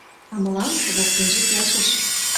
— А мылам воктенже келшыш.